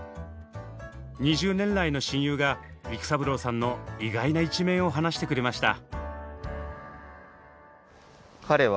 ２０年来の親友が育三郎さんの意外な一面を話してくれました。